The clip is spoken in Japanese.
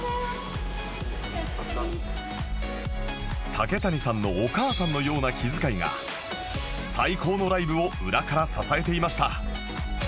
竹谷さんのお母さんのような気遣いが最高のライブを裏から支えていました